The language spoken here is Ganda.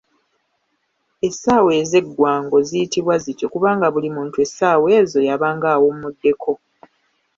Essaawa ezeggwango ziyitibwa zityo kubanga buli muntu essaawa ezo yabanga awummuddeko.